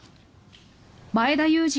前田祐二